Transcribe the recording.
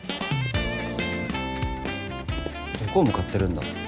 どこ向かってるんだ？